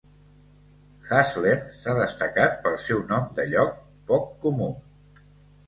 Hustler s'ha destacat pel seu nom de lloc poc comú.